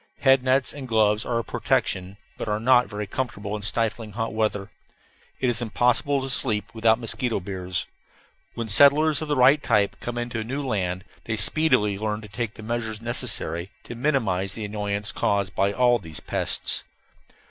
Head nets and gloves are a protection, but are not very comfortable in stifling hot weather. It is impossible to sleep without mosquito biers. When settlers of the right type come into a new land they speedily learn to take the measures necessary to minimize the annoyance caused by all these pests.